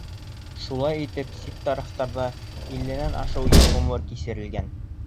Шулай итеп, сит тарафтарҙа илленән ашыу йыл ғүмер кисерелгән...